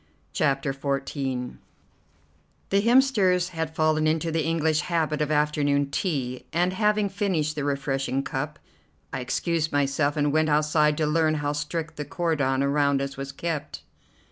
CHAPTER XIV The Hemsters had fallen into the English habit of afternoon tea, and, having finished the refreshing cup, I excused myself and went outside to learn how strict the cordon around us was kept.